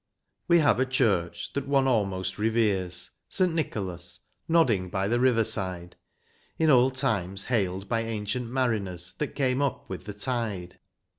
LIVERPOOL. 351 We have a church that one almost reveres, — St Nicholas, nodding by the river side, — In old times hailed by ancient mariners That came up with the tide.